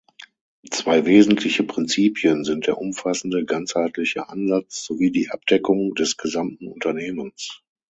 Zwei wesentliche Prinzipien sind der umfassende, ganzheitliche Ansatz sowie die Abdeckung des gesamten Unternehmens.